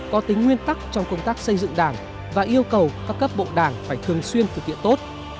có tính nguyên tắc trong công tác xây dựng đảng và yêu cầu các cấp bộ đảng phải thường xuyên thực hiện tốt